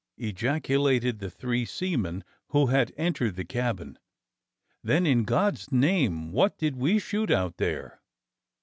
ejaculated the three seamen who had entered the cabin. "Then, in God's name, what did we shoot out there.